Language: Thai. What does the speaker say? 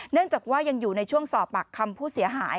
เนื่องจากว่ายังอยู่ในช่วงสอบปากคำผู้เสียหาย